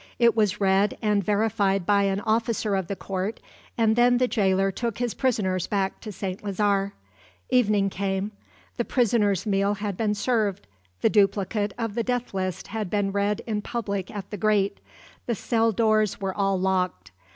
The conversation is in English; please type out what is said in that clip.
It was read and verified by an officer of the court; and then the jailer took his prisoners back to St. Lazare. Evening came. The prisoners' meal had been served; the duplicate of the death list had been read in public at the grate; the cell doors were all locked.